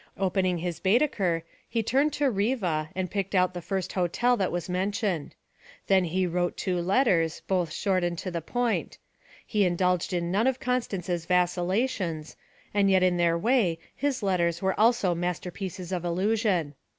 Opening his Baedeker, he turned to Riva and picked out the first hotel that was mentioned. Then he wrote two letters, both short and to the point; he indulged in none of Constance's vacillations, and yet in their way his letters also were masterpieces of illusion.